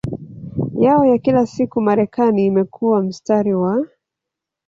yao ya kila siku Marekani imekuwa mstari wa